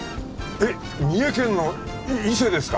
えっ三重県の伊勢ですか？